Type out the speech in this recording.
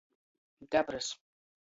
Gabrs.